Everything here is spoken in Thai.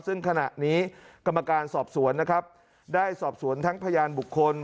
ซึ่งขณะนี้กรรมการสอบสวนนะครับได้สอบสวนทั้งพยานบุคคล